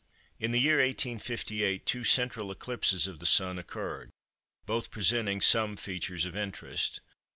In the year 1858, two central eclipses of the Sun occurred, both presenting some features of interest.